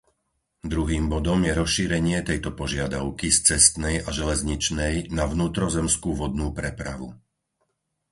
Druhým bodom je rozšírenie tejto požiadavky z cestnej a železničnej na vnútrozemskú vodnú prepravu.